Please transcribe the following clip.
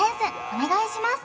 お願いします